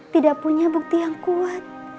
tidak punya bukti yang kuat